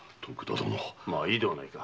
いいではないか。